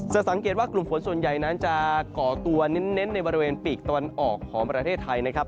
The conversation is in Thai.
สังเกตว่ากลุ่มฝนส่วนใหญ่นั้นจะก่อตัวเน้นในบริเวณปีกตะวันออกของประเทศไทยนะครับ